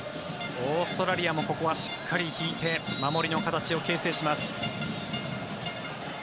オーストラリアもここはしっかり引いて守りの形を形成します。